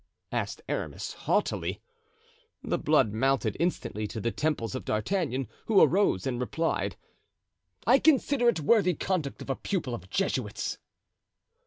asked Aramis, haughtily. The blood mounted instantly to the temples of D'Artagnan, who arose, and replied: "I consider it worthy conduct of a pupil of Jesuits."